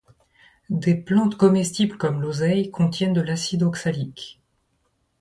Des plantes comestibles comme l’oseille contiennent de l’acide oxalique.